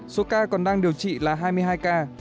số ca còn đang điều trị là hai mươi hai ca